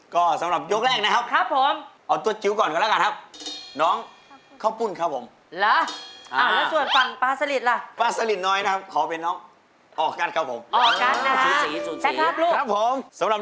ก็สำหรับยกแรกนะครับเอาตัวจิ๊วก่อนก่อนแล้วกันครับครับผม